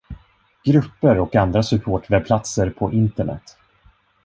Grupper och andra supportwebbplatser på internet.